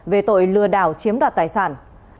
về tội lừa đảo chiếm đoạt tài sản